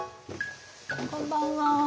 こんばんは。